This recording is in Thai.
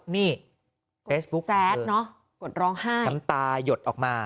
นี่เฟซบุ๊คแฟดเนอะกดร้องไห้น้ำตายดออกมา